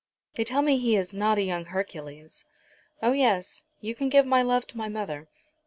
"They tell me he is not a young Hercules. Oh yes; you can give my love to my mother.